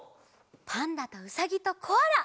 パンダとうさぎとコアラ！